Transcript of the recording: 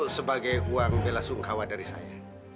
itu sebagai uang bela sungkawa dari saya